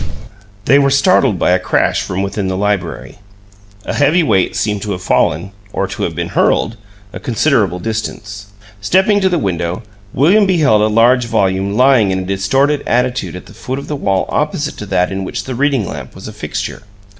BANG! They were startled by a crash from within the library; a heavy weight seemed to have fallen (or to have been hurled) a considerable distance. Stepping to the window, William beheld a large volume lying in a distorted attitude at the foot of the wall opposite to that in which the reading lamp was a fixture.